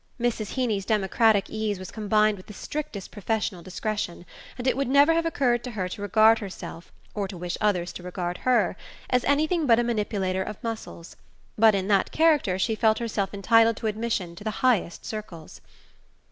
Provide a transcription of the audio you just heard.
Mrs. Heeny's democratic ease was combined with the strictest professional discretion, and it would never have occurred to her to regard herself, or to wish others to regard her, as anything but a manipulator of muscles; but in that character she felt herself entitled to admission to the highest circles.